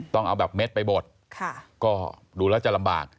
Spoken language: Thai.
ต้องเอาแบบเม็ดไปบดก็ดูแล้วจะลำบาก